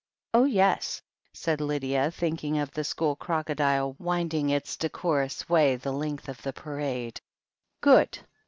"Oh, yes," said Lydia, thinking of the school croco dile wending its decorous way the length of the Parade, "Good.